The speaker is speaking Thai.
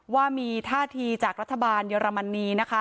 ว่ามีท่าทีจากรัฐบาลเยอรมนีนะคะ